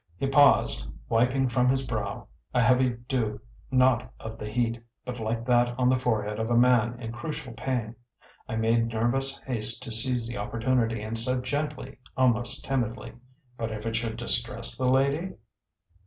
He paused, wiping from his brow a heavy dew not of the heat, but like that on the forehead of a man in crucial pain. I made nervous haste to seize the opportunity, and said gently, almost timidly: "But if it should distress the lady?"